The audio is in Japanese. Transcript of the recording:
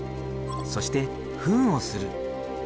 そして糞をする。